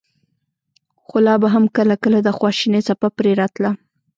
خو لا به هم کله کله د خواشينۍڅپه پرې راتله.